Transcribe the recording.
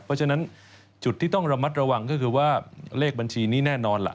เพราะฉะนั้นจุดที่ต้องระมัดระวังก็คือว่าเลขบัญชีนี้แน่นอนล่ะ